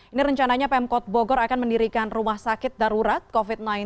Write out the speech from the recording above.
ini rencananya pemkot bogor akan mendirikan rumah sakit darurat covid sembilan belas